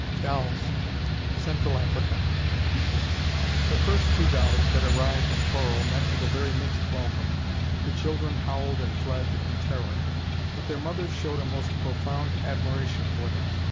DOLLS, CENTRAL AFRICA The first two dolls that arrived in Toro met with a very mixed welcome; the children howled and fled in terror, but their mothers showed a most profound admiration for them.